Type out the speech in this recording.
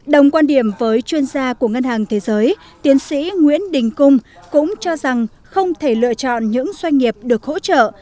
đồng quan điểm với chuyên gia của ngân hàng thế giới tiến sĩ nguyễn đình cung cũng cho rằng không thể lựa chọn những doanh nghiệp được hỗ trợ